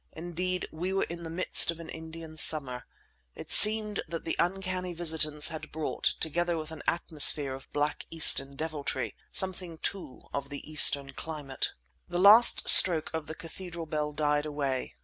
Indeed, we were in the midst of an Indian summer; it seemed that the uncanny visitants had brought, together with an atmosphere of black Eastern deviltry, something, too, of the Eastern climate. The last stroke of the Cathedral bell died away.